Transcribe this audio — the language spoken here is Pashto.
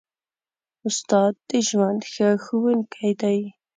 استاد د ژوند ښه ښوونکی دی.